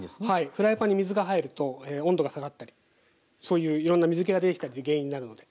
フライパンに水が入ると温度が下がったりそういういろんな水けが出てきたり原因になるので。